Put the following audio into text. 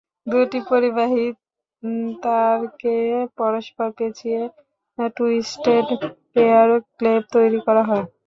দুটি পরিবাহী তারকে পরস্পর পেঁচিয়ে টুইস্টেড পেয়ার কেব্ল তৈরি করা হয়।